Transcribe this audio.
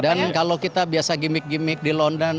dan kalau kita biasa gimmick gimmick di london